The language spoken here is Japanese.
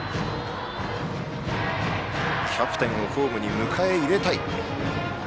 キャプテンをホームに迎え入れたい。